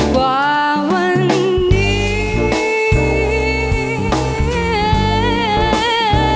จะปวดอ้างหวังเดียวได้